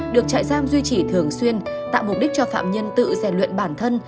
được trại giam duy trì thường xuyên tạo mục đích cho phạm nhân tự rèn luyện bản thân